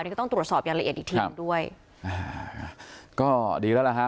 นี่ก็ต้องตรวจสอบอย่างละเอียดอีกทีหนึ่งด้วยอ่าก็ดีแล้วล่ะฮะ